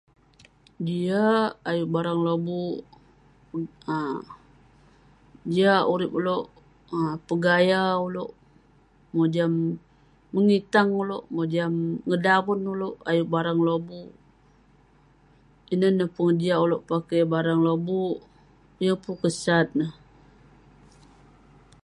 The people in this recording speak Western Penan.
Jiak ayuk barang lobuk. um Jiak urip ulouk um pegaya ulouk, mojam mengitang ulouk, mojam ngedaven ulouk ayuk barang lobuk. Inen neh pengejian ulouk ayuk barang lobuk. Yeng pun kesat neh.